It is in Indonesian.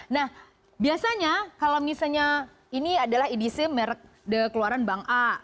nah biasanya kalau misalnya ini adalah edc merek keluaran bank a